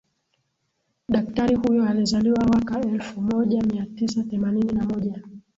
daktari huyo alizaliwa waka elfu moja mia tisa themanini na moja